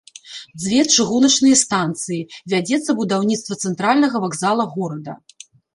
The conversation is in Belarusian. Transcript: Дзве чыгуначныя станцыі, вядзецца будаўніцтва цэнтральнага вакзала горада.